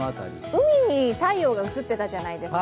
海に太陽が映ってたじゃないですか。